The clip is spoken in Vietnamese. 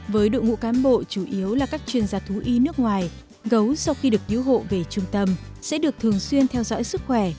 với đội ngũ cán bộ chủ yếu là các chuyên gia thú y nước ngoài gấu sau khi được cứu hộ về trung tâm sẽ được thường xuyên theo dõi sức khỏe